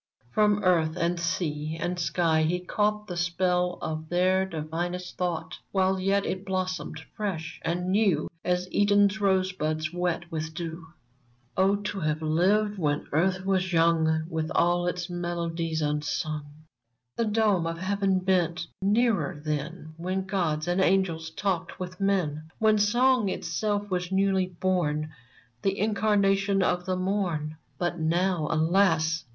From earth and sea and sky he caught The spell of their divinest thought, While yet it blossomed fresh and new As Eden's rosebuds wet with dew ! Oh ! to have lived when earth was young, With all its melodies unsung ! The dome of heaven bent nearer then When gods and angels talked with men — When Song itself was newly born. The Incarnation of the Morn ! But now, alas